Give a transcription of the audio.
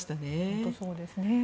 本当にそうですね。